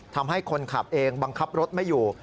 ทำให้คนขับเองบังคับรถไม่อยู่